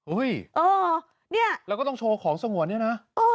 อุ้ยแล้วก็ต้องโชว์ของสังหวัดเนี่ยนะ